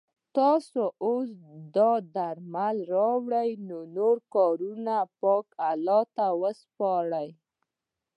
تاسو اوس دا درمل راوړئ نور کارونه پاک الله ته وسپاره.